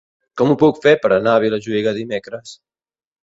Com ho puc fer per anar a Vilajuïga dimecres?